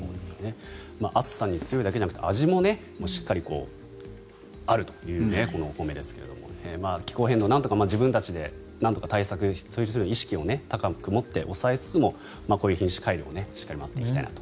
暑さに強いだけじゃなくて味もしっかりあるというこのお米ですが気候変動、自分たちでなんとか対策をするように意識を高く持って抑えつつも、こういう品種改良を待っていきたいなと。